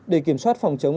để kiểm soát phòng chống